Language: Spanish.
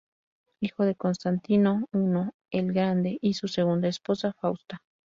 Hijo de Constantino I el Grande y su segunda esposa, Fausta.